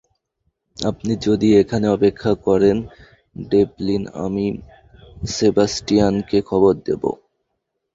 আপনি যদি এখানে অপেক্ষা করেন, ডেভলিন, আমি সেবাস্টিয়ানকে খবর দেব।